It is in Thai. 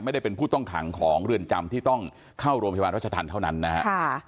ไม่ได้เป็นผู้ต้องขังของเรือนจำที่ต้องเข้าโรงพยาบาลรัชธรรมเท่านั้นนะฮะ